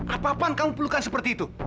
apa apaan kamu pelukan seperti itu